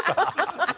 ハハハハ。